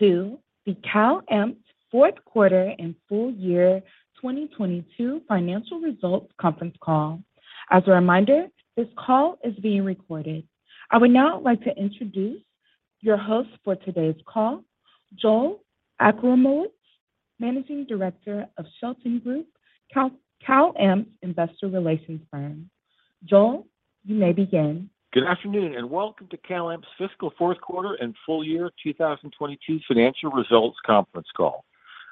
Welcome to CalAmp's fourth quarter and full year 2022 financial results conference call. As a reminder, this call is being recorded. I would now like to introduce your host for today's call, Joel Achramowicz, Managing Director of Shelton Group, CalAmp's Investor Relations firm. Joel, you may begin. Good afternoon, and welcome to CalAmp's fiscal fourth quarter and full year 2022 financial results conference call.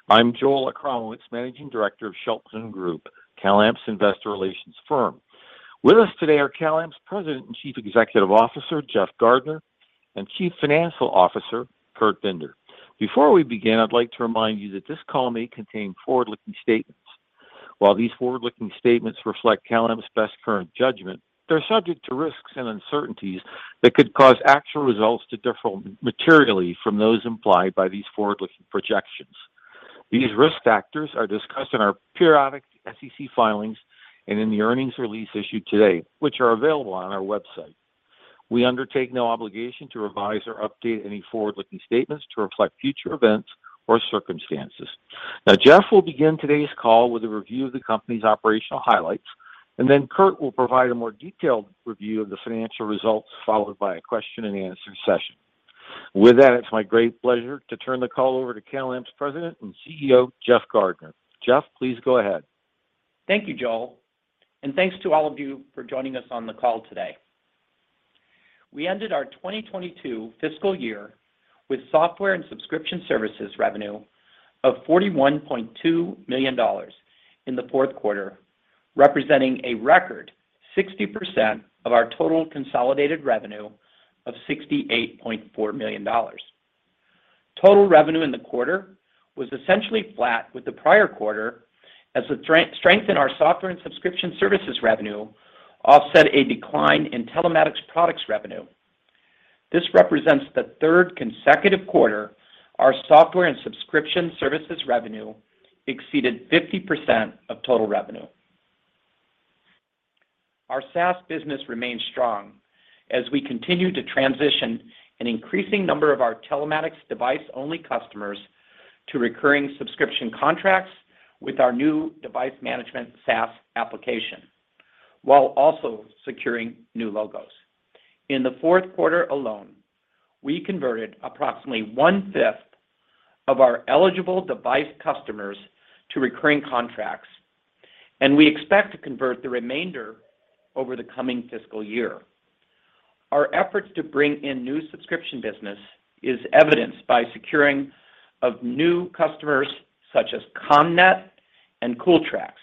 I'm Joel Achramowicz, Managing Director of Shelton Group, CalAmp's investor relations firm. With us today are CalAmp's President and Chief Executive Officer, Jeff Gardner, and Chief Financial Officer, Kurt Binder. Before we begin, I'd like to remind you that this call may contain forward-looking statements. While these forward-looking statements reflect CalAmp's best current judgment, they're subject to risks and uncertainties that could cause actual results to differ materially from those implied by these forward-looking projections. These risk factors are discussed in our periodic SEC filings and in the earnings release issued today, which are available on our website. We undertake no obligation to revise or update any forward-looking statements to reflect future events or circumstances. Now, Jeff will begin today's call with a review of the company's operational highlights, and then Kurt will provide a more detailed review of the financial results, followed by a question and answer session. With that, it's my great pleasure to turn the call over to CalAmp's President and CEO, Jeff Gardner. Jeff, please go ahead. Thank you, Joel, and thanks to all of you for joining us on the call today. We ended our 2022 fiscal year with software and subscription services revenue of $41.2 million in the fourth quarter, representing a record 60% of our total consolidated revenue of $68.4 million. Total revenue in the quarter was essentially flat with the prior quarter as the strength in our software and subscription services revenue offset a decline in telematics products revenue. This represents the third consecutive quarter our software and subscription services revenue exceeded 50% of total revenue. Our SaaS business remains strong as we continue to transition an increasing number of our telematics device-only customers to recurring subscription contracts with our new device management SaaS application, while also securing new logos. In the fourth quarter alone, we converted approximately one-fifth of our eligible device customers to recurring contracts, and we expect to convert the remainder over the coming fiscal year. Our efforts to bring in new subscription business is evidenced by securing of new customers such as Comnet and Cooltrax,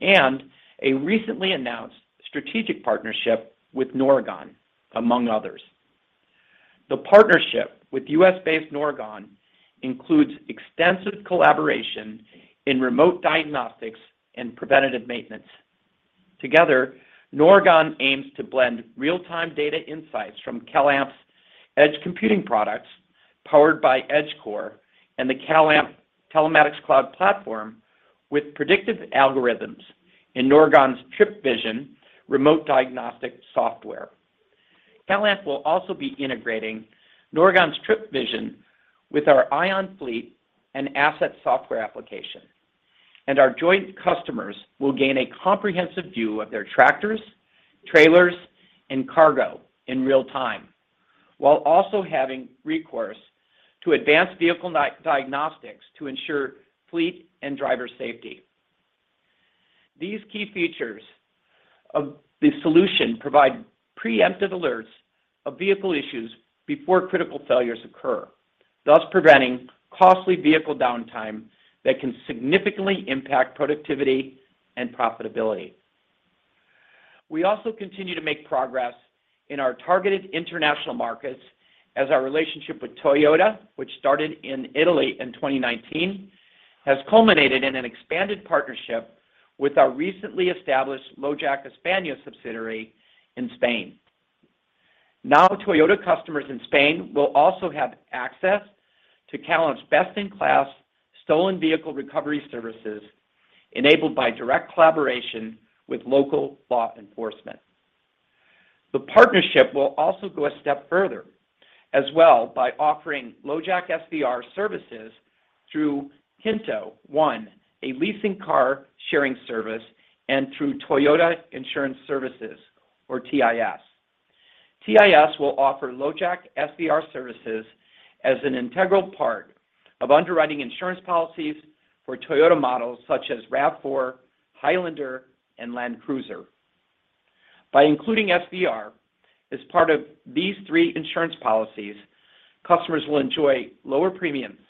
and a recently announced strategic partnership with Noregon, among others. The partnership with U.S.-based Noregon includes extensive collaboration in remote diagnostics and preventative maintenance. Together, Noregon aims to blend real-time data insights from CalAmp's edge computing products powered by EdgeCore and the CalAmp Telematics Cloud platform with predictive algorithms in Noregon's TripVision remote diagnostic software. CalAmp will also be integrating Noregon's TripVision with our iOn Fleet and asset software application, and our joint customers will gain a comprehensive view of their tractors, trailers, and cargo in real time, while also having recourse to advanced vehicle diagnostics to ensure fleet and driver safety. These key features of the solution provide preemptive alerts of vehicle issues before critical failures occur, thus preventing costly vehicle downtime that can significantly impact productivity and profitability. We also continue to make progress in our targeted international markets as our relationship with Toyota, which started in Italy in 2019, has culminated in an expanded partnership with our recently established LoJack España subsidiary in Spain. Now, Toyota customers in Spain will also have access to CalAmp's best-in-class stolen vehicle recovery services enabled by direct collaboration with local law enforcement. The partnership will also go a step further as well by offering LoJack SVR services through KINTO One, a leasing car sharing service, and through Toyota Insurance Services, or TIS. TIS will offer LoJack SVR services as an integral part of underwriting insurance policies for Toyota models such as RAV4, Highlander, and Land Cruiser. By including SVR as part of these three insurance policies, customers will enjoy lower premiums.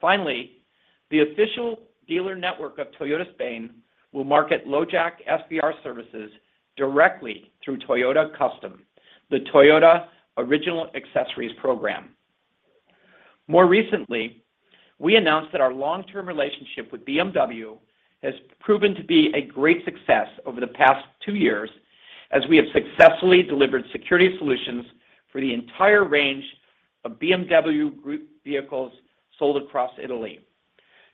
Finally, the official dealer network of Toyota Spain will market LoJack SVR services directly through Toyota Custom, the Toyota Original Accessories program. More recently, we announced that our long-term relationship with BMW has proven to be a great success over the past two years as we have successfully delivered security solutions for the entire range of BMW Group vehicles sold across Italy.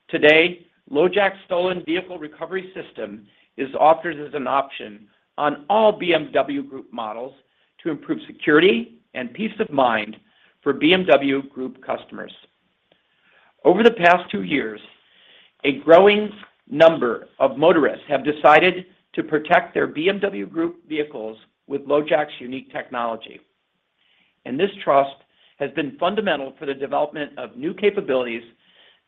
Today, LoJack's stolen vehicle recovery system is offered as an option on all BMW Group models to improve security and peace of mind for BMW Group customers. Over the past two years, a growing number of motorists have decided to protect their BMW Group vehicles with LoJack's unique technology, and this trust has been fundamental for the development of new capabilities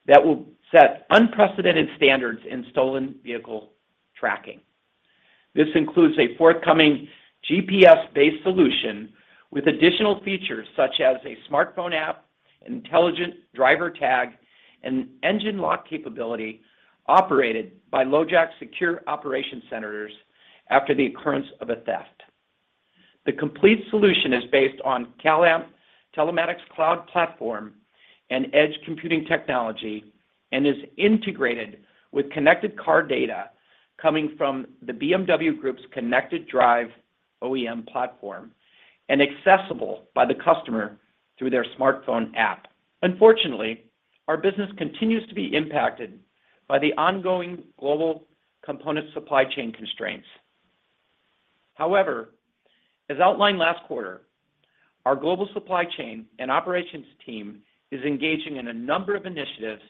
that will set unprecedented standards in stolen vehicle tracking. This includes a forthcoming GPS-based solution with additional features such as a smartphone app, an intelligent driver tag, and engine lock capability operated by LoJack's secure operation centers after the occurrence of a theft. The complete solution is based on CalAmp Telematics Cloud platform and edge computing technology and is integrated with connected car data coming from the BMW Group's ConnectedDrive OEM platform and accessible by the customer through their smartphone app. Unfortunately, our business continues to be impacted by the ongoing global component supply chain constraints. However, as outlined last quarter, our global supply chain and operations team is engaging in a number of initiatives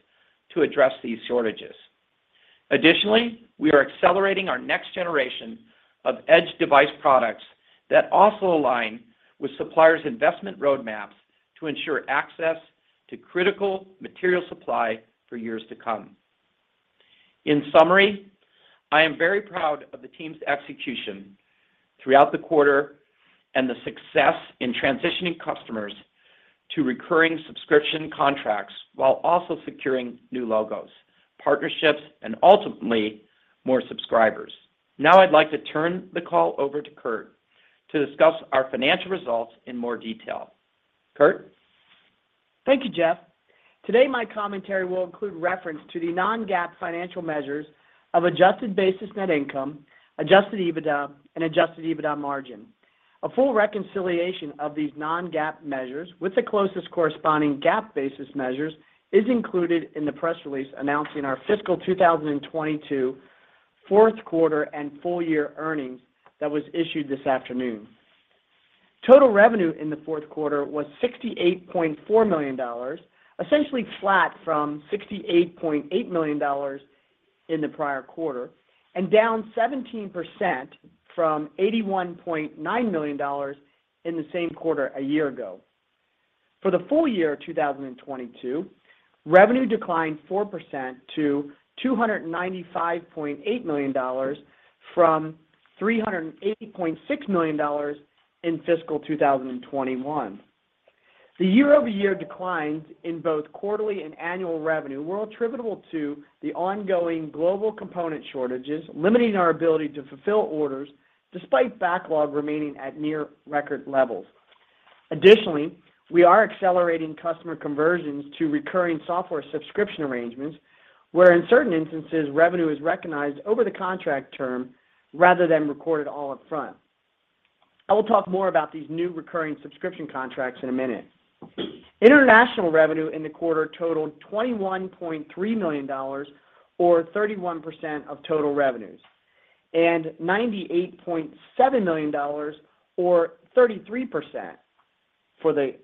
to address these shortages. Additionally, we are accelerating our next generation of edge device products that also align with suppliers' investment roadmaps to ensure access to critical material supply for years to come. In summary, I am very proud of the team's execution throughout the quarter and the success in transitioning customers to recurring subscription contracts while also securing new logos, partnerships, and ultimately, more subscribers. Now I'd like to turn the call over to Kurt to discuss our financial results in more detail. Kurt? Thank you, Jeff. Today, my commentary will include reference to the non-GAAP financial measures of adjusted basis net income, adjusted EBITDA, and adjusted EBITDA margin. A full reconciliation of these non-GAAP measures with the closest corresponding GAAP basis measures is included in the press release announcing our fiscal 2022 fourth quarter and full year earnings that was issued this afternoon. Total revenue in the fourth quarter was $68.4 million, essentially flat from $68.8 million in the prior quarter and down 17% from $81.9 million in the same quarter a year ago. For the full year 2022, revenue declined 4% to $295.8 million from $380.6 million in fiscal 2021. The year-over-year declines in both quarterly and annual revenue were attributable to the ongoing global component shortages, limiting our ability to fulfill orders despite backlog remaining at near record levels. Additionally, we are accelerating customer conversions to recurring software subscription arrangements where, in certain instances, revenue is recognized over the contract term rather than recorded all up front. I will talk more about these new recurring subscription contracts in a minute. International revenue in the quarter totaled $21.3 million or 31% of total revenues, and $98.7 million or 33% for the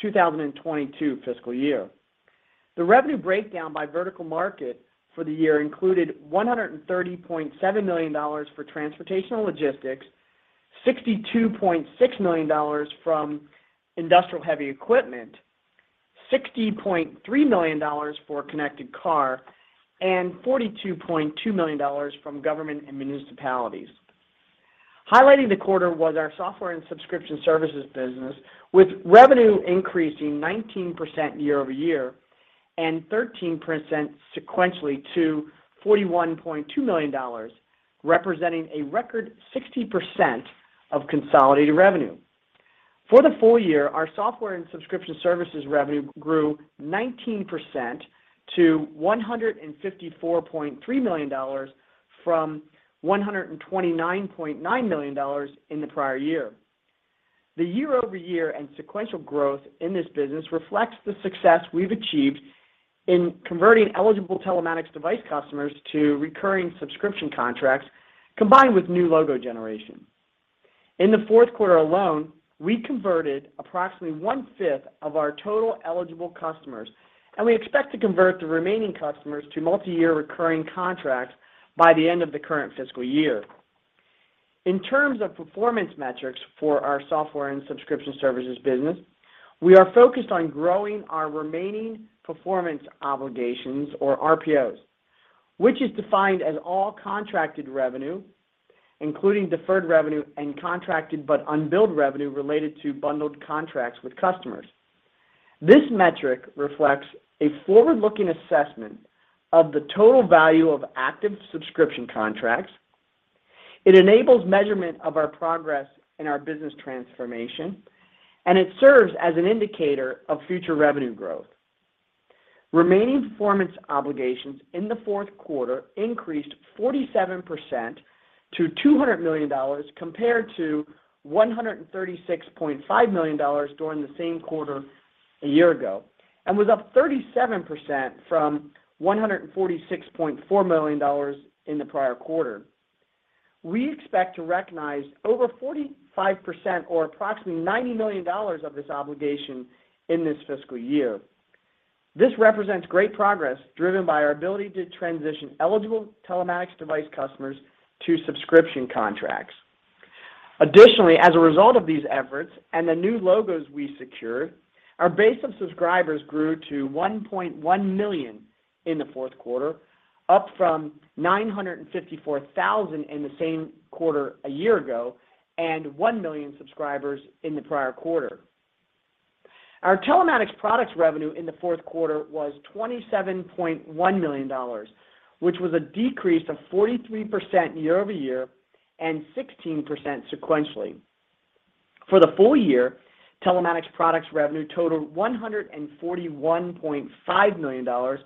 2022 fiscal year. The revenue breakdown by vertical market for the year included $130.7 million for transportation and logistics, $62.6 million from industrial heavy equipment, $60.3 million for connected car, and $42.2 million from government and municipalities. Highlighting the quarter was our software and subscription services business, with revenue increasing 19% year-over-year and 13% sequentially to $41.2 million, representing a record 60% of consolidated revenue. For the full year, our software and subscription services revenue grew 19% to $154.3 million from $129.9 million in the prior year. The year-over-year and sequential growth in this business reflects the success we've achieved in converting eligible telematics device customers to recurring subscription contracts combined with new logo generation. In the fourth quarter alone, we converted approximately one-fifth of our total eligible customers, and we expect to convert the remaining customers to multiyear recurring contracts by the end of the current fiscal year. In terms of performance metrics for our software and subscription services business, we are focused on growing our remaining performance obligations or RPOs, which is defined as all contracted revenue, including deferred revenue and contracted but unbilled revenue related to bundled contracts with customers. This metric reflects a forward-looking assessment of the total value of active subscription contracts. It enables measurement of our progress in our business transformation, and it serves as an indicator of future revenue growth. Remaining performance obligations in the fourth quarter increased 47% to $200 million compared to $136.5 million during the same quarter a year ago, and was up 37% from $146.4 million in the prior quarter. We expect to recognize over 45% or approximately $90 million of this obligation in this fiscal year. This represents great progress driven by our ability to transition eligible telematics device customers to subscription contracts. Additionally, as a result of these efforts and the new logos we secured, our base of subscribers grew to 1.1 million in the fourth quarter, up from 954,000 in the same quarter a year ago and 1 million subscribers in the prior quarter. Our telematics products revenue in the fourth quarter was $27.1 million, which was a decrease of 43% year-over-year and 16% sequentially. For the full year, telematics products revenue totaled $141.5 million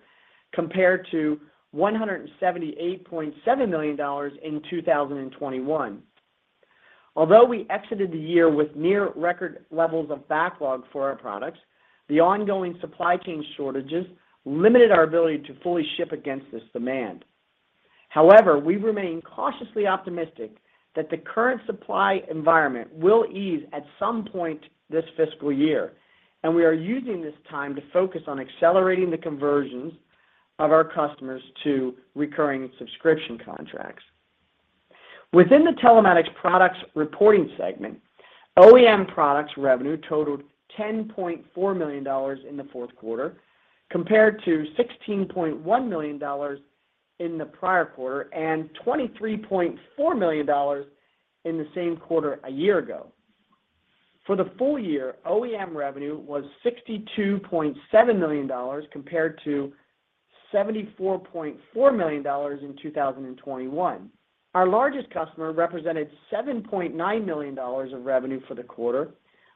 compared to $178.7 million in 2021. Although we exited the year with near record levels of backlog for our products, the ongoing supply chain shortages limited our ability to fully ship against this demand. However, we remain cautiously optimistic that the current supply environment will ease at some point this fiscal year, and we are using this time to focus on accelerating the conversions of our customers to recurring subscription contracts. Within the telematics products reporting segment, OEM products revenue totaled $10.4 million in the fourth quarter compared to $16.1 million in the prior quarter and $23.4 million in the same quarter a year ago. For the full year, OEM revenue was $62.7 million compared to $74.4 million in 2021. Our largest customer represented $7.9 million of revenue for the quarter,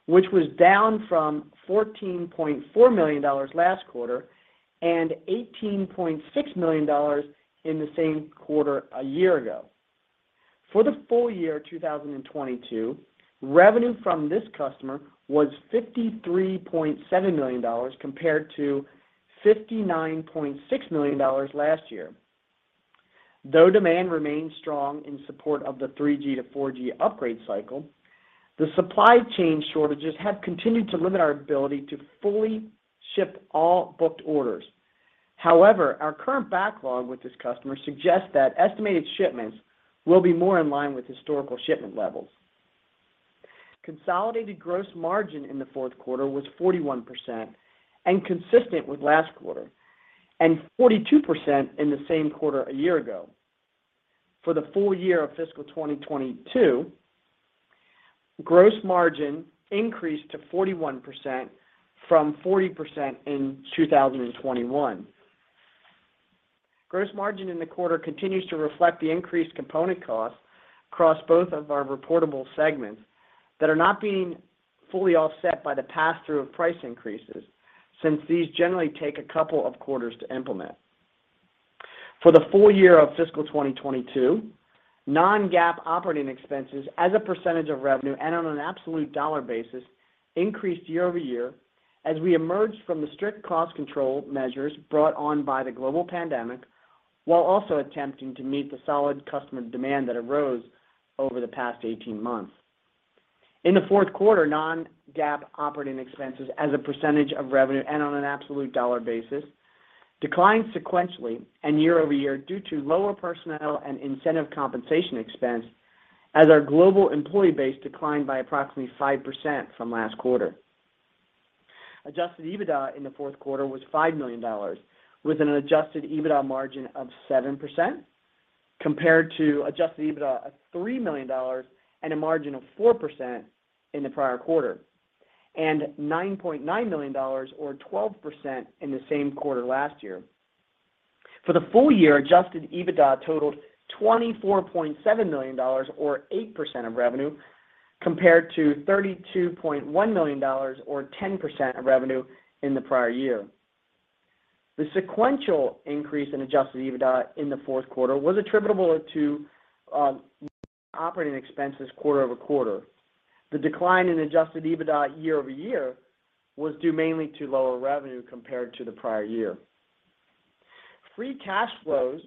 which was down from $14.4 million last quarter and $18.6 million in the same quarter a year ago. For the full year 2022, revenue from this customer was $53.7 million compared to $59.6 million last year. Though demand remains strong in support of the 3G to 4G upgrade cycle, the supply chain shortages have continued to limit our ability to fully ship all booked orders. However, our current backlog with this customer suggests that estimated shipments will be more in line with historical shipment levels. Consolidated gross margin in the fourth quarter was 41% and consistent with last quarter, and 42% in the same quarter a year ago. For the full year of fiscal 2022, gross margin increased to 41% from 40% in 2021. Gross margin in the quarter continues to reflect the increased component costs across both of our reportable segments that are not being fully offset by the pass-through of price increases since these generally take a couple of quarters to implement. For the full year of fiscal 2022, non-GAAP operating expenses as a percentage of revenue and on an absolute dollar basis increased year-over-year as we emerged from the strict cost control measures brought on by the global pandemic, while also attempting to meet the solid customer demand that arose over the past 18 months. In the fourth quarter, non-GAAP operating expenses as a percentage of revenue and on an absolute dollar basis declined sequentially and year-over-year due to lower personnel and incentive compensation expense as our global employee base declined by approximately 5% from last quarter. Adjusted EBITDA in the fourth quarter was $5 million with an adjusted EBITDA margin of 7% compared to adjusted EBITDA of $3 million and a margin of 4% in the prior quarter, and $9.9 million or 12% in the same quarter last year. For the full year, adjusted EBITDA totaled $24.7 million or 8% of revenue compared to $32.1 million or 10% of revenue in the prior year. The sequential increase in adjusted EBITDA in the fourth quarter was attributable to operating expenses quarter-over-quarter. The decline in adjusted EBITDA year-over-year was due mainly to lower revenue compared to the prior year. Free cash flows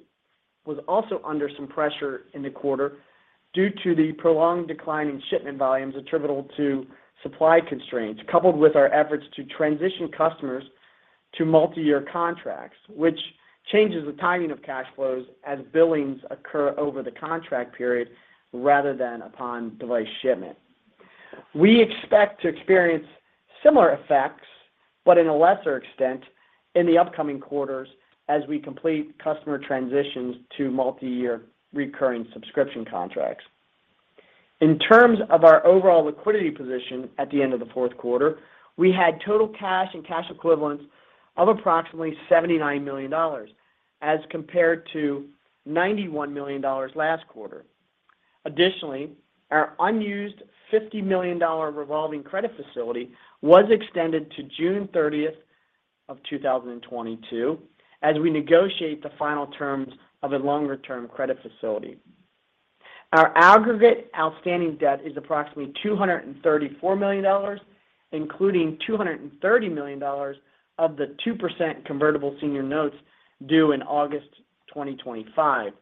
was also under some pressure in the quarter due to the prolonged decline in shipment volumes attributable to supply constraints, coupled with our efforts to transition customers to multi-year contracts, which changes the timing of cash flows as billings occur over the contract period rather than upon device shipment. We expect to experience similar effects, but in a lesser extent in the upcoming quarters as we complete customer transitions to multi-year recurring subscription contracts. In terms of our overall liquidity position at the end of the fourth quarter, we had total cash and cash equivalents of approximately $79 million as compared to $91 million last quarter. Our unused $50 million revolving credit facility was extended to June thirtieth of 2022 as we negotiate the final terms of a longer-term credit facility. Our aggregate outstanding debt is approximately $234 million, including $230 million of the 2% convertible senior notes due in August 2025.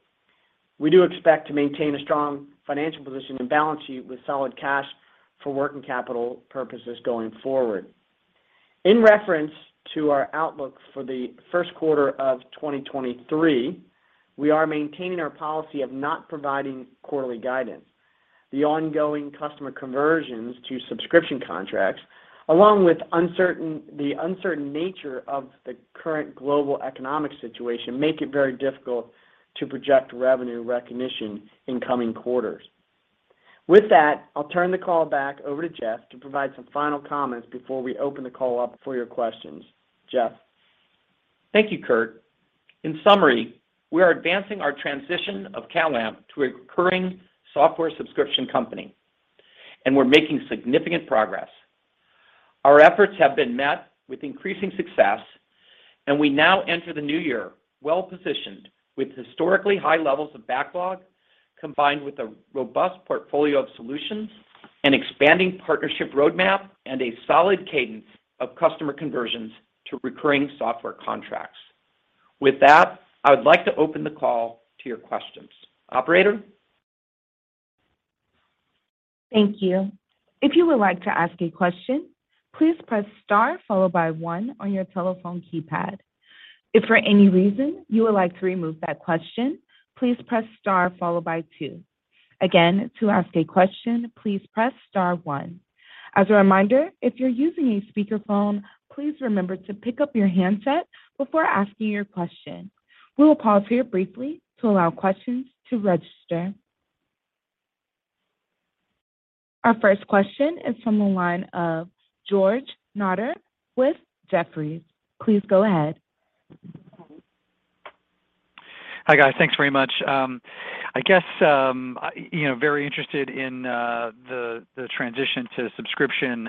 We do expect to maintain a strong financial position and balance sheet with solid cash for working capital purposes going forward. In reference to our outlook for the first quarter of 2023, we are maintaining our policy of not providing quarterly guidance. The ongoing customer conversions to subscription contracts, along with the uncertain nature of the current global economic situation, make it very difficult to project revenue recognition in coming quarters. With that, I'll turn the call back over to Jeff to provide some final comments before we open the call up for your questions. Jeff? Thank you, Kurt. In summary, we are advancing our transition of CalAmp to a recurring software subscription company, and we're making significant progress. Our efforts have been met with increasing success, and we now enter the new year well-positioned with historically high levels of backlog, combined with a robust portfolio of solutions and expanding partnership roadmap and a solid cadence of customer conversions to recurring software contracts. With that, I would like to open the call to your questions. Operator? Thank you. If you would like to ask a question, please press star followed by one on your telephone keypad. If for any reason you would like to remove that question, please press star followed by two. Again, to ask a question, please press star one. As a reminder, if you're using a speakerphone, please remember to pick up your handset before asking your question. We will pause here briefly to allow questions to register. Our first question is from the line of George Notter with Jefferies. Please go ahead. Hi, guys. Thanks very much. I guess, you know, very interested in the transition to subscription.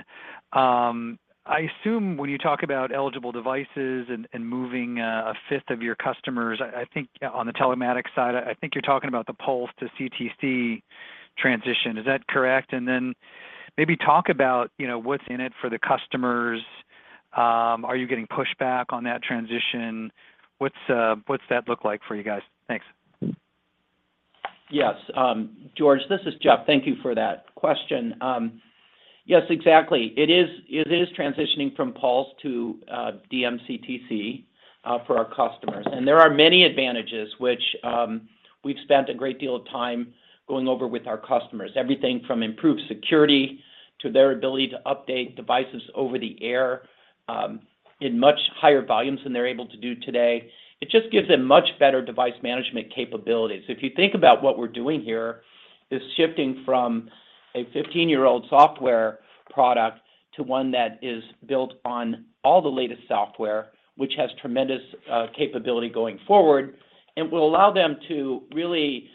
I assume when you talk about eligible devices and moving a fifth of your customers, I think on the telematics side, I think you're talking about the PULS to CTC transition. Is that correct? Maybe talk about, you know, what's in it for the customers. Are you getting pushback on that transition? What's that look like for you guys? Thanks. Yes. George, this is Jeff. Thank you for that question. Yes, exactly. It is transitioning from PULS to DM-CTC for our customers. There are many advantages which we've spent a great deal of time going over with our customers. Everything from improved security to their ability to update devices over the air in much higher volumes than they're able to do today. It just gives them much better device management capabilities. If you think about what we're doing here, is shifting from a 15-year-old software product to one that is built on all the latest software, which has tremendous capability going forward, and will allow them to really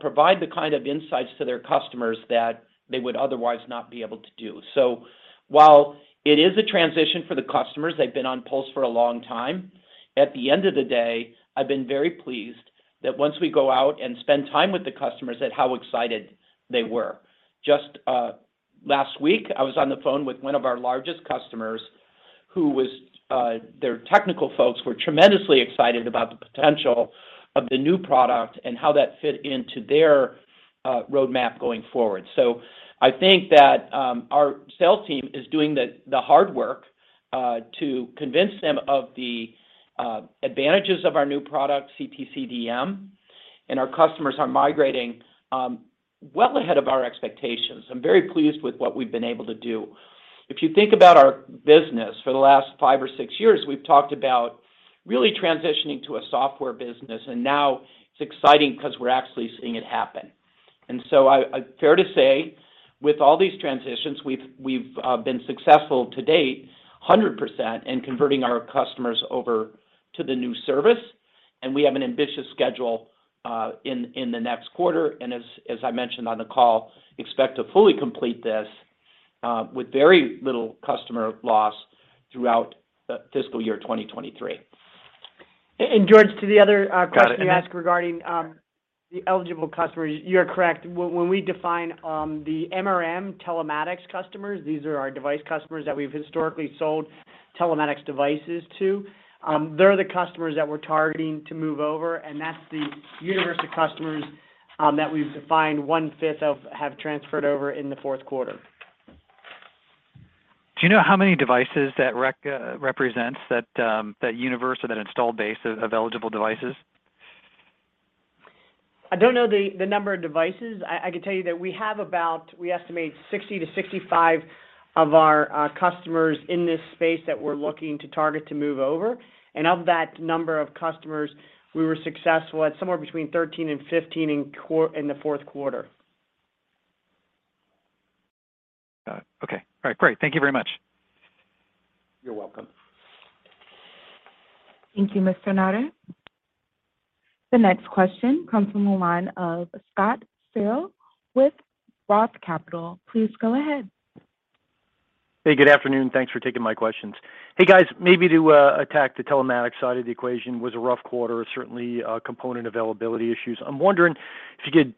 provide the kind of insights to their customers that they would otherwise not be able to do. While it is a transition for the customers, they've been on PULS for a long time, at the end of the day, I've been very pleased that once we go out and spend time with the customers and how excited they were. Just last week, I was on the phone with one of our largest customers, their technical folks were tremendously excited about the potential of the new product and how that fit into their roadmap going forward. I think that our sales team is doing the hard work to convince them of the advantages of our new product, CTC DM, and our customers are migrating well ahead of our expectations. I'm very pleased with what we've been able to do. If you think about our business for the last five or six years, we've talked about really transitioning to a software business, and now it's exciting 'cause we're actually seeing it happen. Fair to say, with all these transitions, we've been successful to date 100% in converting our customers over to the new service, and we have an ambitious schedule in the next quarter. As I mentioned on the call, expect to fully complete this with very little customer loss throughout fiscal year 2023. George, to the other question you asked regarding the eligible customers, you're correct. When we define the MRM Telematics customers, these are our device customers that we've historically sold telematics devices to. They're the customers that we're targeting to move over, and that's the universe of customers that we've defined one-fifth of have transferred over in the fourth quarter. Do you know how many devices that represents that universe or that installed base of eligible devices? I don't know the number of devices. I can tell you that we have about we estimate 60-65 of our customers in this space that we're looking to target to move over. Of that number of customers, we were successful at somewhere between 13 and 15 in the fourth quarter. Got it. Okay. All right, great. Thank you very much. You're welcome. Thank you, Mr. Notter. The next question comes from the line of Scott Searle with Roth MKM. Please go ahead. Hey, good afternoon. Thanks for taking my questions. Hey, guys. Maybe to attack the telematics side of the equation. It was a rough quarter, certainly, component availability issues. I'm wondering if you could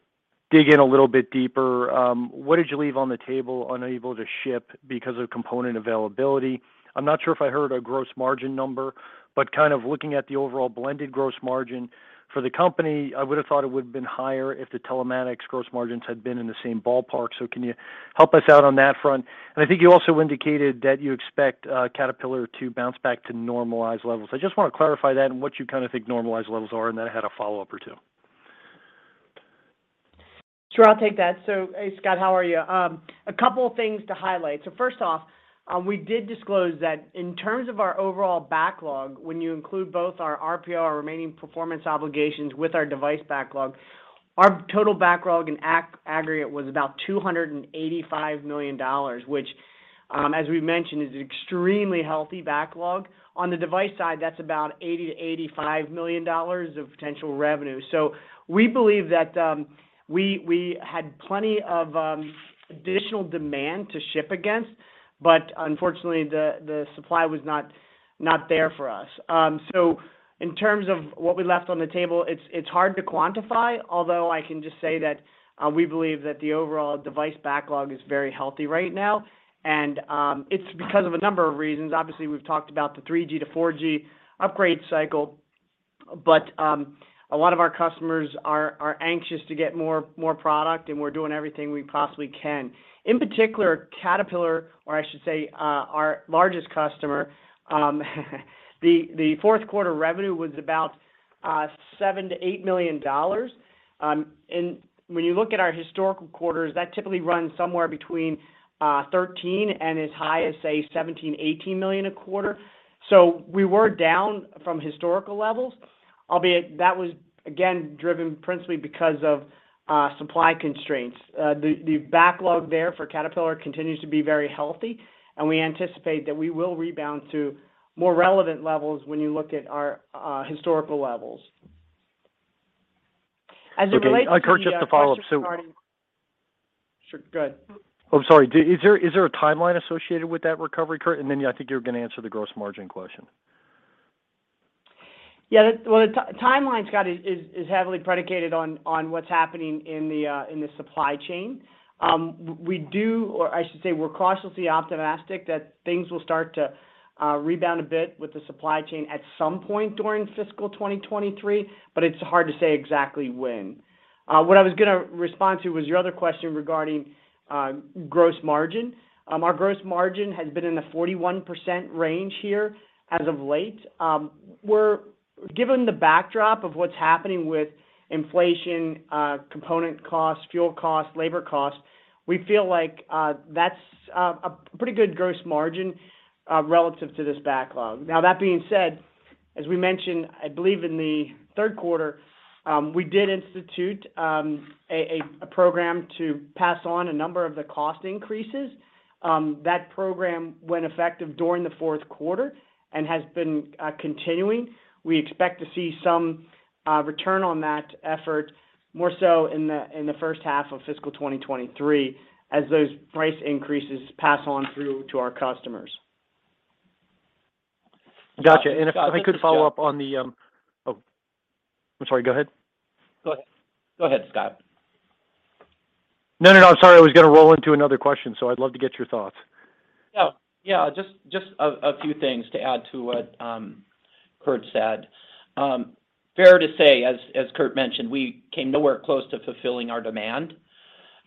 dig in a little bit deeper. What did you leave on the table unable to ship because of component availability? I'm not sure if I heard a gross margin number, but kind of looking at the overall blended gross margin for the company, I would have thought it would have been higher if the telematics gross margins had been in the same ballpark. So can you help us out on that front? I think you also indicated that you expect Caterpillar to bounce back to normalized levels. I just want to clarify that and what you kind of think normalized levels are, and then I had a follow-up or two. Sure. I'll take that. Hey, Scott. How are you? A couple of things to highlight. First off, we did disclose that in terms of our overall backlog, when you include both our RPO, our remaining performance obligations with our device backlog, our total backlog in aggregate was about $285 million, which, as we've mentioned, is extremely healthy backlog. On the device side, that's about $80 million-$85 million of potential revenue. We believe that we had plenty of additional demand to ship against, but unfortunately, the supply was not there for us. In terms of what we left on the table, it's hard to quantify, although I can just say that we believe that the overall device backlog is very healthy right now. It's because of a number of reasons. Obviously, we've talked about the 3G to 4G upgrade cycle, but a lot of our customers are anxious to get more product, and we're doing everything we possibly can. In particular, Caterpillar, or I should say, our largest customer, the fourth quarter revenue was about $7 million-$8 million. When you look at our historical quarters, that typically runs somewhere between 13 and as high as, say, 17-18 million a quarter. We were down from historical levels, albeit that was, again, driven principally because of supply constraints. The backlog there for Caterpillar continues to be very healthy, and we anticipate that we will rebound to more relevant levels when you look at our historical levels. As it relates to the questions regarding Okay. Kurt, just to follow up. Sure. Go ahead. Oh, sorry. Is there a timeline associated with that recovery, Kurt? Yeah, I think you were going to answer the gross margin question. Well, the timeline, Scott, is heavily predicated on what's happening in the supply chain. We're cautiously optimistic that things will start to rebound a bit with the supply chain at some point during fiscal 2023, but it's hard to say exactly when. What I was gonna respond to was your other question regarding gross margin. Our gross margin has been in the 41% range here as of late. Given the backdrop of what's happening with inflation, component costs, fuel costs, labor costs, we feel like that's a pretty good gross margin relative to this backlog. Now, that being said, as we mentioned, I believe in the third quarter, we did institute a program to pass on a number of the cost increases. That program went effective during the fourth quarter and has been continuing. We expect to see some return on that effort, more so in the first half of fiscal 2023 as those price increases pass on through to our customers. Gotcha. Scott, Oh. I'm sorry. Go ahead. Go ahead. Go ahead, Scott. No, no. I'm sorry. I was gonna roll into another question, so I'd love to get your thoughts. Oh, yeah. Just a few things to add to what Kurt said. Fair to say, as Kurt mentioned, we came nowhere close to fulfilling our demand.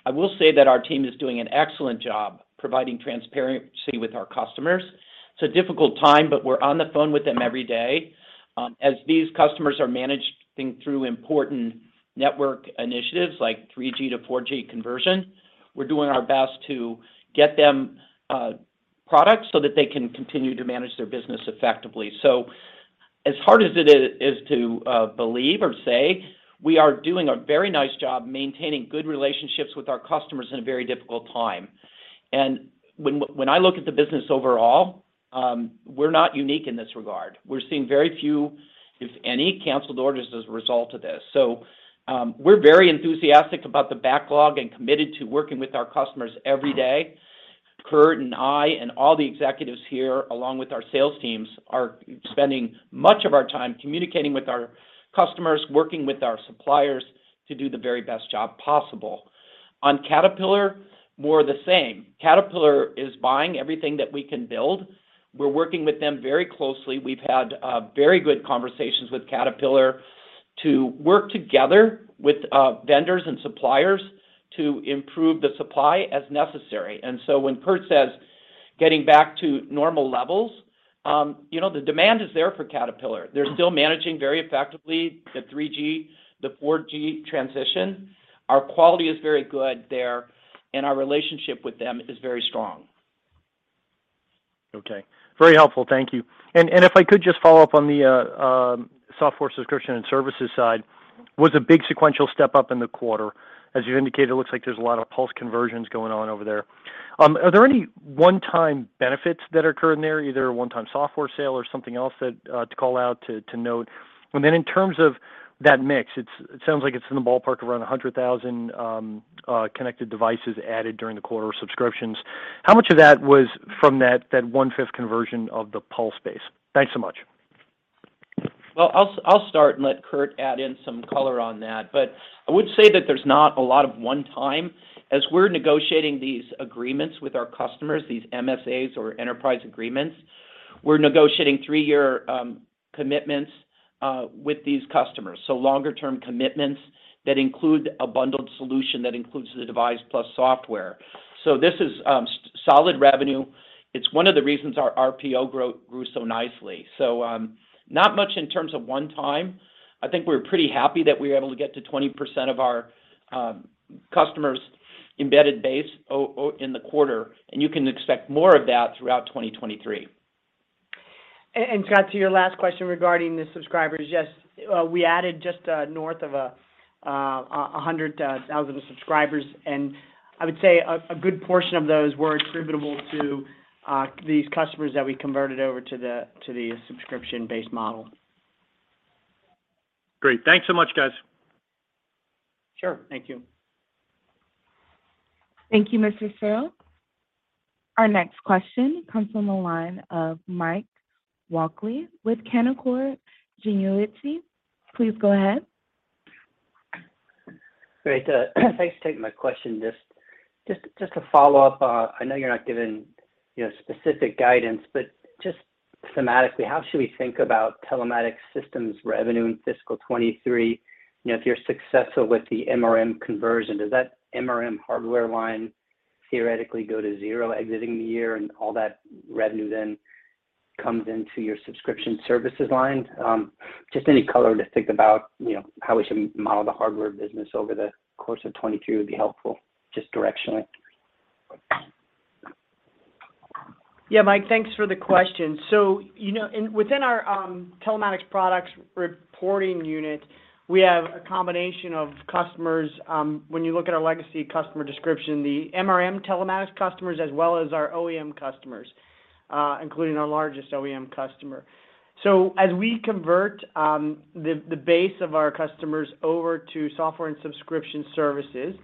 I will say that our team is doing an excellent job providing transparency with our customers. It's a difficult time, but we're on the phone with them every day. As these customers are managing through important network initiatives like 3G to 4G conversion, we're doing our best to get them products so that they can continue to manage their business effectively. As hard as it is to believe or say, we are doing a very nice job maintaining good relationships with our customers in a very difficult time. When I look at the business overall, we're not unique in this regard. We're seeing very few, if any, canceled orders as a result of this. We're very enthusiastic about the backlog and committed to working with our customers every day. Kurt and I and all the executives here, along with our sales teams, are spending much of our time communicating with our customers, working with our suppliers to do the very best job possible. On Caterpillar, more of the same. Caterpillar is buying everything that we can build. We're working with them very closely. We've had very good conversations with Caterpillar to work together with vendors and suppliers to improve the supply as necessary. When Kurt says getting back to normal levels, you know, the demand is there for Caterpillar. They're still managing very effectively the 3G, the 4G transition. Our quality is very good there, and our relationship with them is very strong. Okay. Very helpful. Thank you. If I could just follow up on the software subscription and services side was a big sequential step up in the quarter. As you indicated, it looks like there's a lot of PULS conversions going on over there. Are there any one-time benefits that occur in there, either a one-time software sale or something else that to call out to note? Then in terms of that mix, it sounds like it's in the ballpark of around 100,000 connected devices added during the quarter subscriptions. How much of that was from that 1/5 conversion of the PULS base? Thanks so much. Well, I'll start and let Kurt add in some color on that. I would say that there's not a lot of one-time. As we're negotiating these agreements with our customers, these MSAs or enterprise agreements, we're negotiating three-year commitments with these customers, so longer term commitments that include a bundled solution that includes the device plus software. This is solid revenue. It's one of the reasons our RPO grew so nicely. Not much in terms of one-time. I think we're pretty happy that we were able to get to 20% of our customers' embedded base in the quarter, and you can expect more of that throughout 2023. Scott, to your last question regarding the subscribers, yes, we added just north of 100,000 subscribers. I would say a good portion of those were attributable to these customers that we converted over to the subscription-based model. Great. Thanks so much, guys. Sure. Thank you. Thank you, Mr. Searle. Our next question comes from the line of Mike Walkley with Canaccord Genuity. Please go ahead. Great. Thanks for taking my question. Just to follow up, I know you're not giving, you know, specific guidance, but just thematically, how should we think about Telematics Systems revenue in fiscal 2023? You know, if you're successful with the MRM conversion, does that MRM hardware line theoretically go to zero exiting the year and all that revenue then comes into your subscription services line? Just any color to think about, you know, how we should model the hardware business over the course of 2023 would be helpful, just directionally. Yeah, Mike, thanks for the question. You know, within our Telematics products reporting unit, we have a combination of customers, when you look at our legacy customer description, the MRM Telematics customers as well as our OEM customers, including our largest OEM customer. As we convert the base of our customers over to software and subscription services,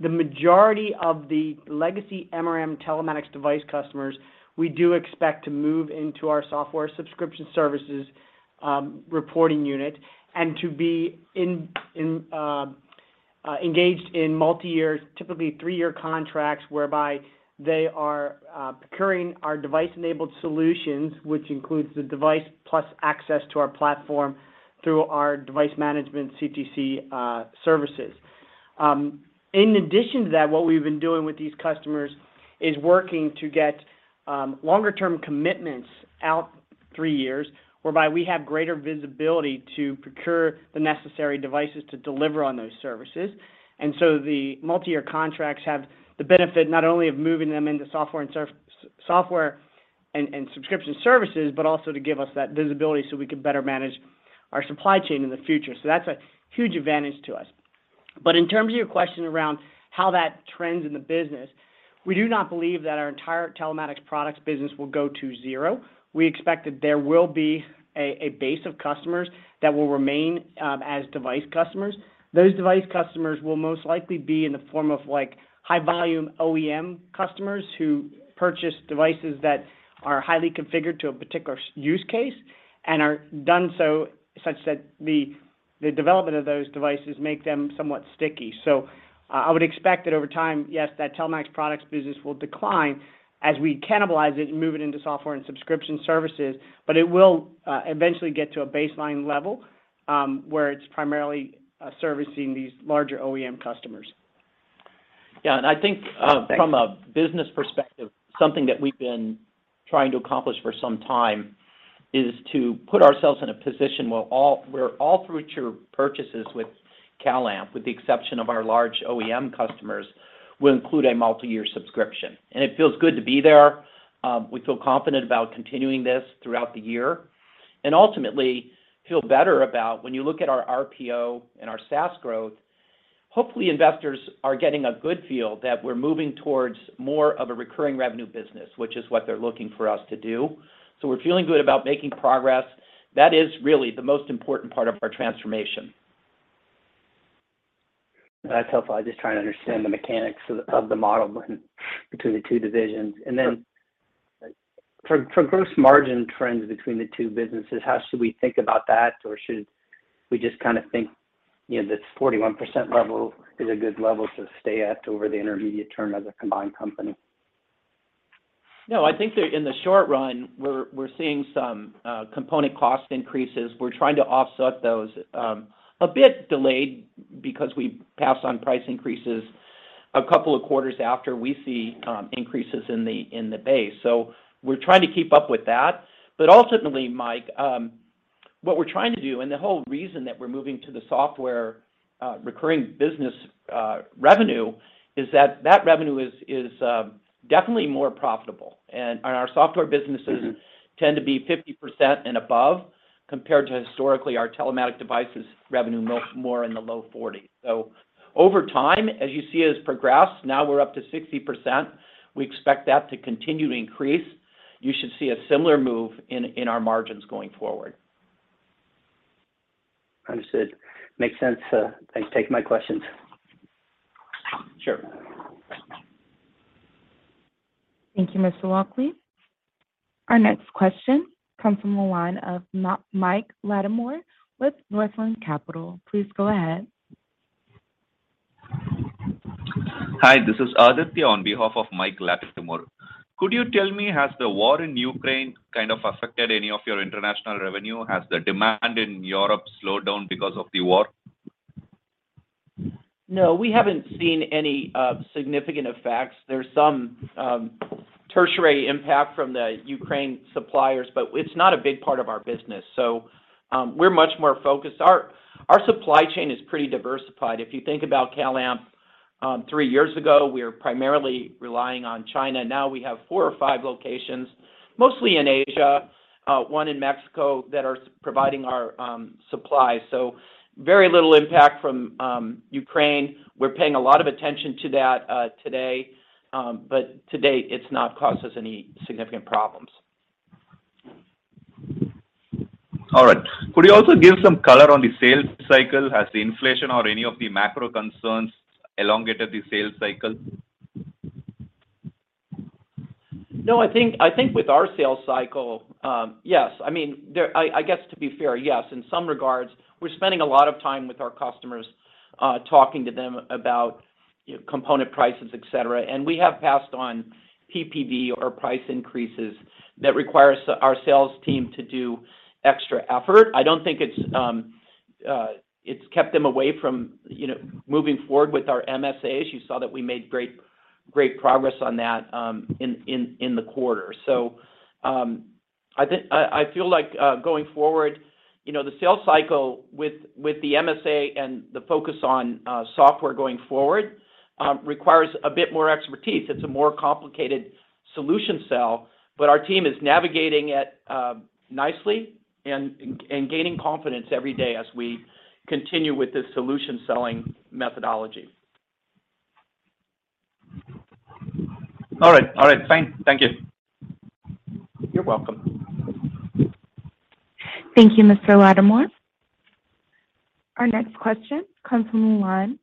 the majority of the legacy MRM Telematics device customers, we do expect to move into our software subscription services reporting unit and to be engaged in multi-year, typically three-year contracts whereby they are procuring our device-enabled solutions, which includes the device plus access to our platform through our device management CTC services. In addition to that, what we've been doing with these customers is working to get longer-term commitments out three years, whereby we have greater visibility to procure the necessary devices to deliver on those services. The multi-year contracts have the benefit not only of moving them into software and subscription services, but also to give us that visibility so we can better manage our supply chain in the future. That's a huge advantage to us. In terms of your question around how that trends in the business, we do not believe that our entire telematics products business will go to zero. We expect that there will be a base of customers that will remain as device customers. Those device customers will most likely be in the form of like high volume OEM customers who purchase devices that are highly configured to a particular use case and are done so such that the development of those devices make them somewhat sticky. I would expect that over time, yes, that Telematics products business will decline as we cannibalize it and move it into software and subscription services. It will eventually get to a baseline level where it's primarily servicing these larger OEM customers. Yeah, I think from a business perspective, something that we've been trying to accomplish for some time is to put ourselves in a position where all future purchases with CalAmp, with the exception of our large OEM customers, will include a multi-year subscription. It feels good to be there. We feel confident about continuing this throughout the year and ultimately feel better about when you look at our RPO and our SaaS growth. Hopefully investors are getting a good feel that we're moving towards more of a recurring revenue business, which is what they're looking for us to do. We're feeling good about making progress. That is really the most important part of our transformation. That's helpful. I'm just trying to understand the mechanics of the, of the model between the two divisions. Then for gross margin trends between the two businesses, how should we think about that? Or should we just kind of think, you know, this 41% level is a good level to stay at over the intermediate term as a combined company? No, I think that in the short run, we're seeing some component cost increases. We're trying to offset those a bit delayed because we pass on price increases a couple of quarters after we see increases in the base. We're trying to keep up with that. Ultimately, Mike, what we're trying to do, and the whole reason that we're moving to the software recurring business revenue, is that that revenue is definitely more profitable. Our software businesses tend to be 50% and above compared to historically our telematics devices revenue more in the low 40s%. Over time, as you see us progress, now we're up to 60%, we expect that to continue to increase. You should see a similar move in our margins going forward. Understood. Makes sense. Thanks for taking my questions. Sure. Thank you, Mr. Walkley. Our next question comes from the line of Mike Latimore with Northland Capital Markets. Please go ahead. Hi, this is Aditya on behalf of Mike Latimore. Could you tell me, has the war in Ukraine kind of affected any of your international revenue? Has the demand in Europe slowed down because of the war? No, we haven't seen any significant effects. There's some tertiary impact from the Ukraine suppliers, but it's not a big part of our business. We're much more focused. Our supply chain is pretty diversified. If you think about CalAmp, three years ago, we were primarily relying on China. Now we have four or five locations, mostly in Asia, one in Mexico, that are providing our supply. Very little impact from Ukraine. We're paying a lot of attention to that today. To date, it's not caused us any significant problems. All right. Could you also give some color on the sales cycle? Has the inflation or any of the macro concerns elongated the sales cycle? No, I think with our sales cycle, yes. I mean, I guess to be fair, yes, in some regards, we're spending a lot of time with our customers, talking to them about, you know, component prices, et cetera. We have passed on PPV or price increases that requires our sales team to do extra effort. I don't think it's kept them away from, you know, moving forward with our MSAs. You saw that we made great progress on that, in the quarter. I think I feel like, going forward, you know, the sales cycle with the MSA and the focus on, software going forward, requires a bit more expertise. It's a more complicated solution sell, but our team is navigating it, nicely and gaining confidence every day as we continue with this solution-selling methodology. All right. All right, fine. Thank you. You're welcome. Thank you, Mr. Latimore. Our next question comes from the line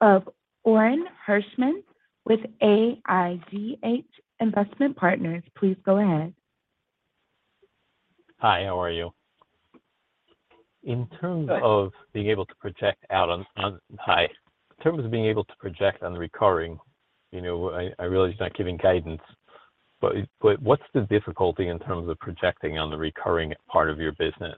of Orin Hirschman with AIGH Investment Partners. Please go ahead. Hi, how are you? Good In terms of being able to project on the recurring, you know, I realize it's not giving guidance, but what's the difficulty in terms of projecting on the recurring part of your business?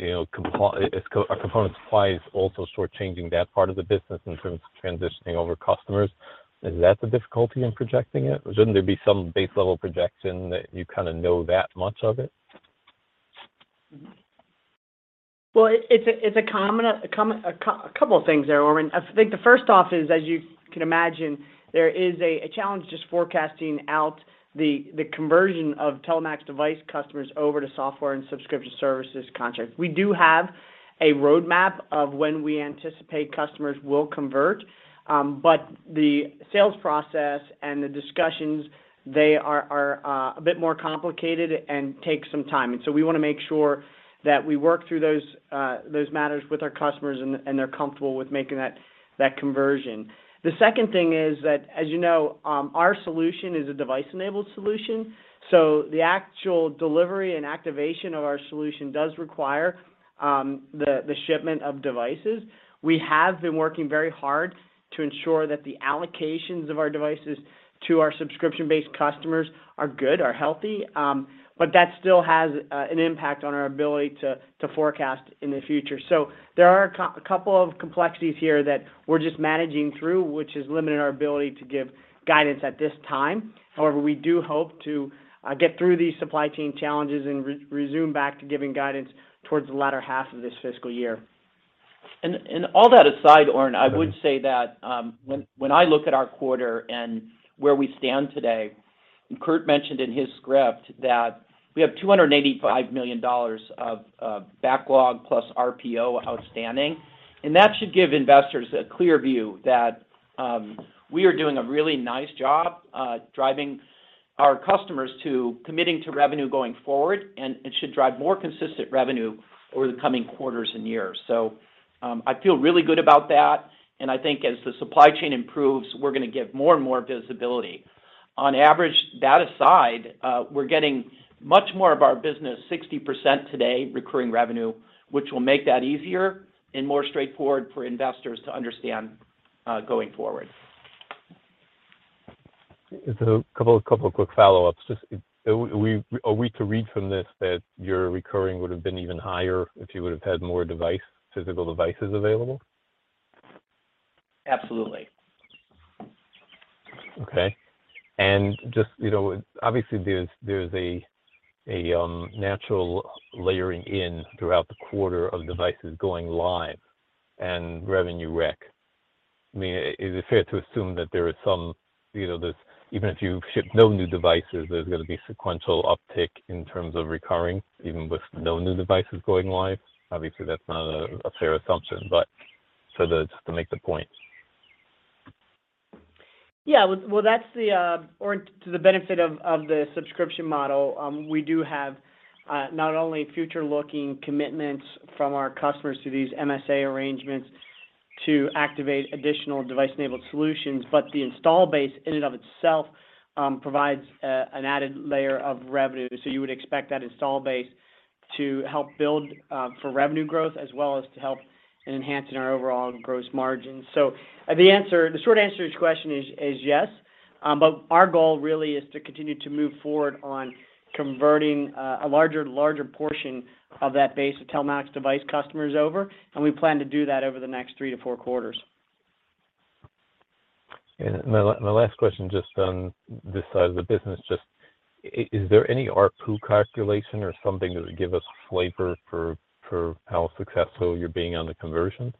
Are component supplies also short-changing that part of the business in terms of transitioning over customers? Is that the difficulty in projecting it? Shouldn't there be some base level projection that you kind of know that much of it? Well, it's a couple things there, Orin. I think the first off is, as you can imagine, there is a challenge just forecasting out the conversion of telematics device customers over to software and subscription services contracts. We do have a roadmap of when we anticipate customers will convert. The sales process and the discussions, they are a bit more complicated and take some time. We wanna make sure that we work through those matters with our customers and they're comfortable with making that conversion. The second thing is that, as you know, our solution is a device-enabled solution. The actual delivery and activation of our solution does require the shipment of devices. We have been working very hard to ensure that the allocations of our devices to our subscription-based customers are good, are healthy. But that still has an impact on our ability to forecast in the future. There are a couple of complexities here that we're just managing through, which is limiting our ability to give guidance at this time. However, we do hope to get through these supply chain challenges and resume back to giving guidance towards the latter half of this fiscal year. All that aside, Orin- Okay I would say that, when I look at our quarter and where we stand today, Kurt mentioned in his script that we have $285 million of backlog plus RPO outstanding, and that should give investors a clear view that we are doing a really nice job driving our customers to committing to revenue going forward and it should drive more consistent revenue over the coming quarters and years. I feel really good about that, and I think as the supply chain improves, we're gonna get more and more visibility. On average, that aside, we're getting much more of our business, 60% today, recurring revenue, which will make that easier and more straightforward for investors to understand going forward. Just a couple of quick follow-ups. Are we to read from this that your recurring would have been even higher if you would have had more physical devices available? Absolutely. Okay. Just, you know, obviously, there's a natural layering in throughout the quarter of devices going live and revenue rec. I mean, is it fair to assume that there is some. You know, there's even if you ship no new devices, there's gonna be sequential uptick in terms of recurring, even with no new devices going live? Obviously, that's not a fair assumption, but so just to make the point. Yeah. Well, to the benefit of the subscription model, we do have not only future-looking commitments from our customers through these MSA arrangements to activate additional device-enabled solutions, but the install base in and of itself provides an added layer of revenue. So you would expect that install base to help build for revenue growth as well as to help in enhancing our overall gross margin. So the answer, the short answer to your question is yes, but our goal really is to continue to move forward on converting a larger portion of that base of Telematics device customers over, and we plan to do that over the next three-four quarters. My last question just on this side of the business, just is there any ARPU calculation or something that would give us flavor for how successful you're being on the conversion?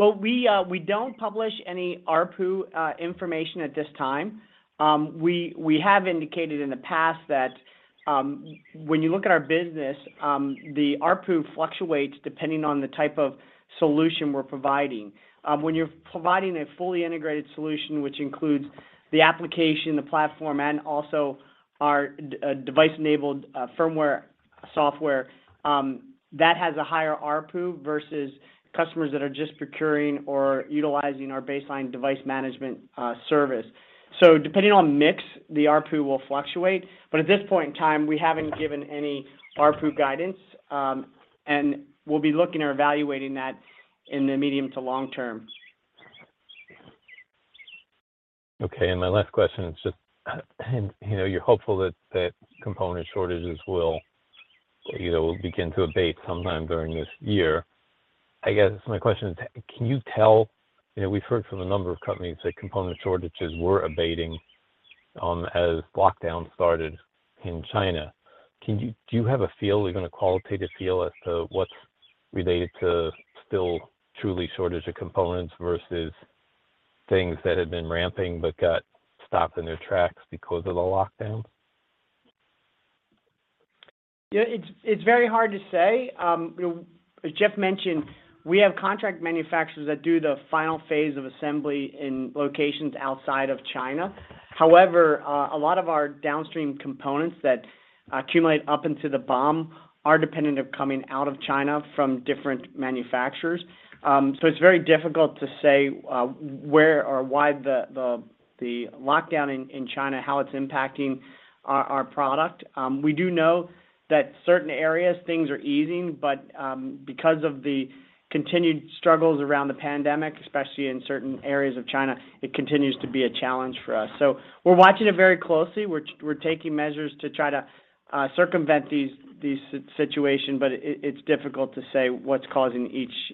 Well, we don't publish any ARPU information at this time. We have indicated in the past that when you look at our business, the ARPU fluctuates depending on the type of solution we're providing. When you're providing a fully integrated solution, which includes the application, the platform, and also our device-enabled firmware software, that has a higher ARPU versus customers that are just procuring or utilizing our baseline device management service. Depending on mix, the ARPU will fluctuate. At this point in time, we haven't given any ARPU guidance, and we'll be looking or evaluating that in the medium to long term. Okay. My last question is just, you know, you're hopeful that component shortages will, you know, will begin to abate sometime during this year. I guess my question is, can you tell? You know, we've heard from a number of companies that component shortages were abating, as lockdowns started in China. Do you have a feel, even a qualitative feel, as to what's related to still truly shortage of components versus things that had been ramping but got stopped in their tracks because of the lockdowns? Yeah. It's very hard to say. You know, as Jeff mentioned, we have contract manufacturers that do the final phase of assembly in locations outside of China. However, a lot of our downstream components that accumulate up into the BOM are dependent on coming out of China from different manufacturers. It's very difficult to say where or why the lockdown in China, how it's impacting our product. We do know that certain areas, things are easing, but because of the continued struggles around the pandemic, especially in certain areas of China, it continues to be a challenge for us. We're watching it very closely. We're taking measures to try to circumvent these situations, but it's difficult to say what's causing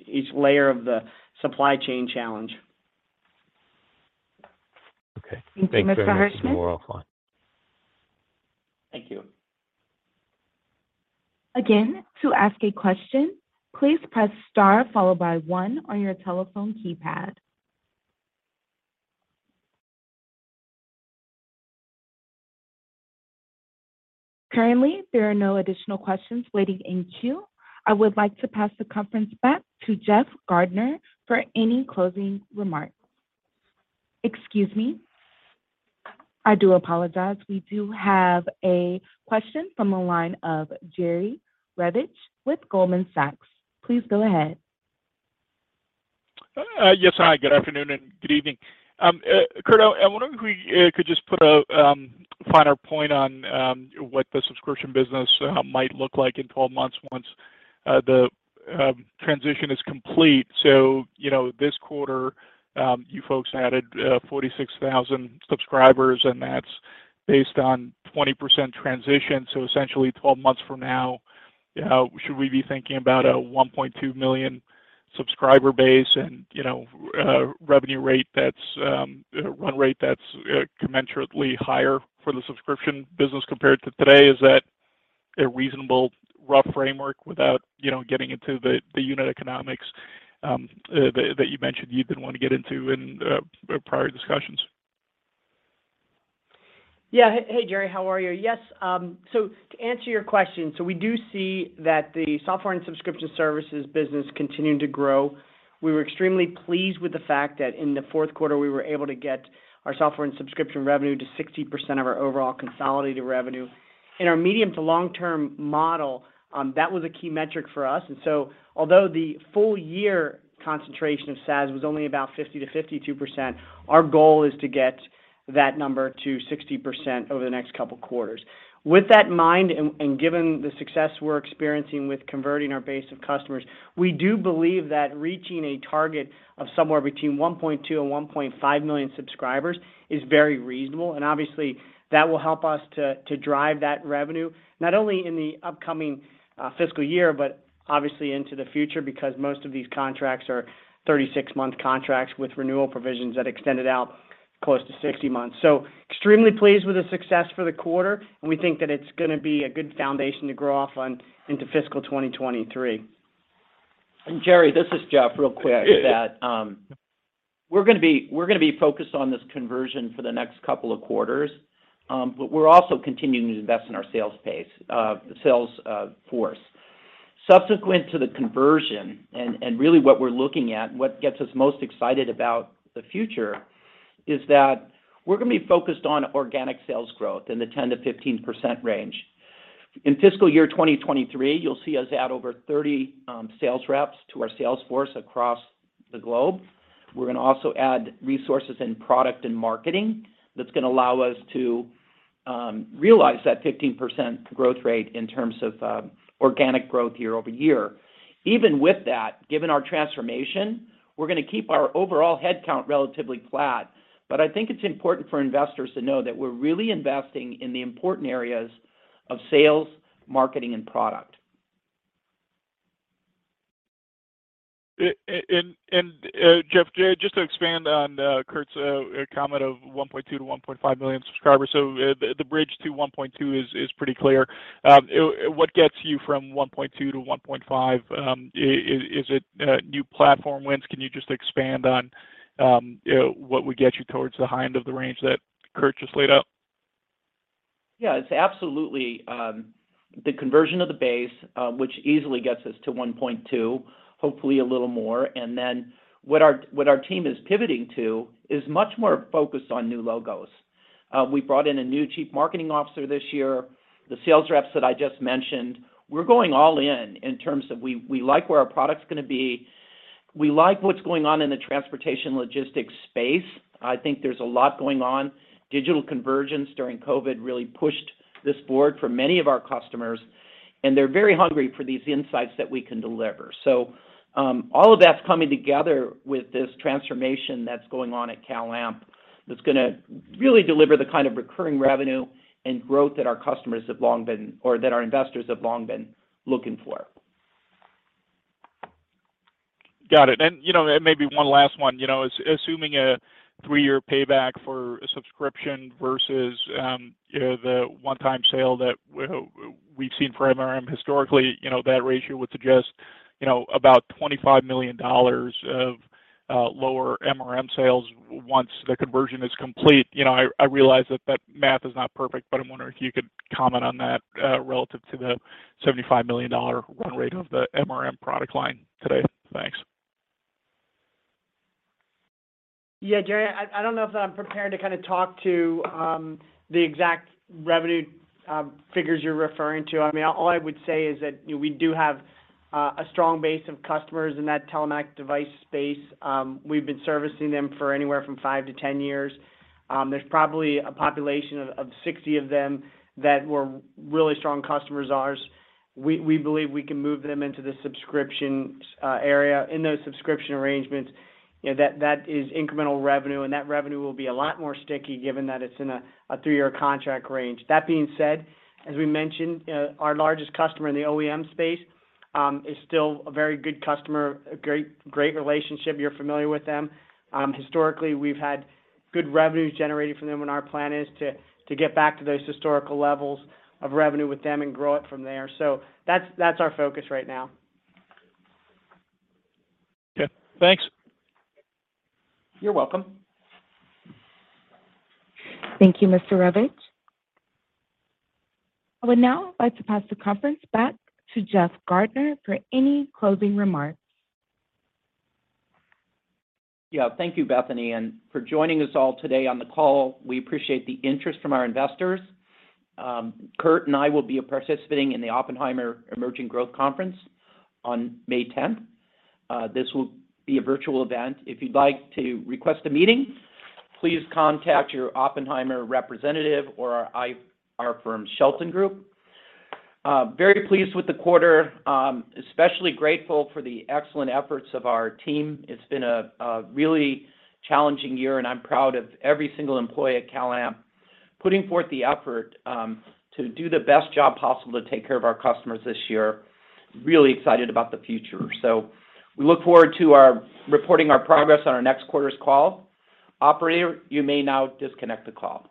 each layer of the supply chain challenge. Okay. Thank you very much. Thank you, Mr. Hirschman. No more offline. Thank you. Again, to ask a question, please press star followed by one on your telephone keypad. Currently, there are no additional questions waiting in queue. I would like to pass the conference back to Jeff Gardner for any closing remarks. Excuse me. I do apologize. We do have a question from the line of Jerry Revich with Goldman Sachs. Please go ahead. Yes. Hi, good afternoon and good evening. Kurt, I wonder if we could just put a finer point on what the subscription business might look like in 12 months once the transition is complete. You know, this quarter, you folks added 46,000 subscribers, and that's based on 20% transition. Essentially 12 months from now, should we be thinking about a 1.2 million subscriber base and, you know, revenue rate that's run rate that's commensurately higher for the subscription business compared to today? Is that a reasonable rough framework without, you know, getting into the unit economics that you mentioned you didn't want to get into in prior discussions? Yeah. Hey, Jerry, how are you? Yes, so to answer your question, we do see that the software and subscription services business continuing to grow. We were extremely pleased with the fact that in the fourth quarter, we were able to get our software and subscription revenue to 60% of our overall consolidated revenue. In our medium to long-term model, that was a key metric for us. Although the full year concentration of SaaS was only about 50%-52%, our goal is to get that number to 60% over the next couple quarters. With that in mind and given the success we're experiencing with converting our base of customers, we do believe that reaching a target of somewhere between 1.2 million and 1.5 million subscribers is very reasonable. Obviously, that will help us to drive that revenue not only in the upcoming fiscal year, but obviously into the future because most of these contracts are 36-month contracts with renewal provisions that extend it out, close to 60 months. Extremely pleased with the success for the quarter, and we think that it's gonna be a good foundation to grow off on into fiscal 2023. Jerry, this is Jeff real quick. Yeah. We're gonna be focused on this conversion for the next couple of quarters, but we're also continuing to invest in our sales force. Subsequent to the conversion, really what we're looking at, what gets us most excited about the future is that we're gonna be focused on organic sales growth in the 10%-15% range. In fiscal year 2023, you'll see us add over 30 sales reps to our sales force across the globe. We're gonna also add resources in product and marketing that's gonna allow us to realize that 15% growth rate in terms of organic growth year-over-year. Even with that, given our transformation, we're gonna keep our overall head count relatively flat. I think it's important for investors to know that we're really investing in the important areas of sales, marketing, and product. Jeff, just to expand on Kurt's comment of 1.2 million-1.5 million subscribers. The bridge to 1.2 is pretty clear. What gets you from 1.2 to 1.5? Is it new platform wins? Can you just expand on what would get you towards the high end of the range that Kurt just laid out? Yeah, it's absolutely the conversion of the base, which easily gets us to 1.2, hopefully a little more. What our team is pivoting to is much more focused on new logos. We brought in a new chief marketing officer this year, the sales reps that I just mentioned. We're going all in in terms of we like where our product's gonna be. We like what's going on in the transportation logistics space. I think there's a lot going on. Digital convergence during COVID really pushed this forward for many of our customers, and they're very hungry for these insights that we can deliver. All of that's coming together with this transformation that's going on at CalAmp. That's gonna really deliver the kind of recurring revenue and growth that our investors have long been looking for. Got it. You know, and maybe one last one. You know, assuming a three-year payback for a subscription versus, you know, the one-time sale that we've seen for MRM historically, you know, that ratio would suggest, you know, about $25 million of lower MRM sales once the conversion is complete. You know, I realize that math is not perfect, but I'm wondering if you could comment on that, relative to the $75 million run rate of the MRM product line today. Thanks. Yeah, Jerry, I don't know if I'm prepared to kinda talk to the exact revenue figures you're referring to. I mean, all I would say is that, you know, we do have a strong base of customers in that telematics device space. We've been servicing them for anywhere from 5 to 10 years. There's probably a population of 60 of them that were really strong customers of ours. We believe we can move them into the subscription area. In those subscription arrangements, you know, that is incremental revenue, and that revenue will be a lot more sticky given that it's in a three-year contract range. That being said, as we mentioned, our largest customer in the OEM space is still a very good customer, a great relationship. You're familiar with them. Historically, we've had good revenues generated from them, and our plan is to get back to those historical levels of revenue with them and grow it from there. That's our focus right now. Okay. Thanks. You're welcome. Thank you, Mr. Revich. I would now like to pass the conference back to Jeff Gardner for any closing remarks. Yeah. Thank you, Bethany. For joining us all today on the call, we appreciate the interest from our investors. Kurt and I will be participating in the Oppenheimer Emerging Growth Conference on May tenth. This will be a virtual event. If you'd like to request a meeting, please contact your Oppenheimer representative or our firm, Shelton Group. Very pleased with the quarter, especially grateful for the excellent efforts of our team. It's been a really challenging year, and I'm proud of every single employee at CalAmp putting forth the effort to do the best job possible to take care of our customers this year. Really excited about the future. We look forward to reporting our progress on our next quarter's call. Operator, you may now disconnect the call.